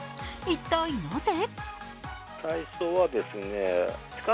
一体なぜ？